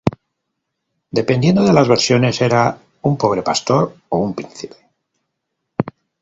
Dependiendo de las versiones era un pobre pastor o un príncipe.